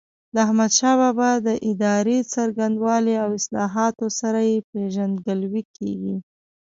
د احمدشاه بابا د ادارې څرنګوالي او اصلاحاتو سره یې پيژندګلوي کېږي.